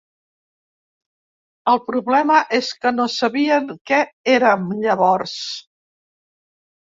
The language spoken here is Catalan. El problema, és que no sabien que érem llavors.